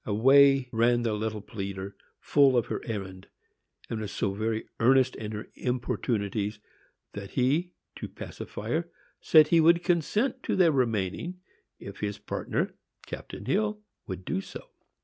Away ran the little pleader, full of her errand; and was so very earnest in her importunities, that he, to pacify her, said he would consent to their remaining, if his partner, Captain Hill, would do so.